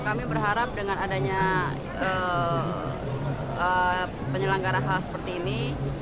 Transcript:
kami berharap dengan adanya penyelenggara hal seperti ini